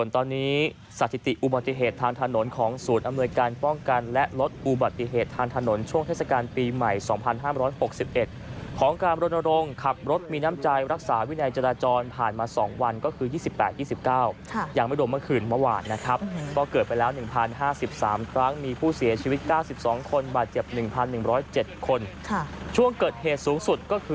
ตอนนี้สถิติอุบัติเหตุทางถนนของศูนย์อำนวยการป้องกันและลดอุบัติเหตุทางถนนช่วงเทศกาลปีใหม่๒๕๖๑ของการรณรงค์ขับรถมีน้ำใจรักษาวินัยจราจรผ่านมา๒วันก็คือ๒๘๒๙ยังไม่รวมเมื่อคืนเมื่อวานนะครับก็เกิดไปแล้ว๑๐๕๓ครั้งมีผู้เสียชีวิต๙๒คนบาดเจ็บ๑๑๐๗คนช่วงเกิดเหตุสูงสุดก็คือ